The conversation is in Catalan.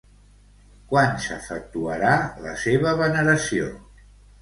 Quan s'efectuarà la seva veneració?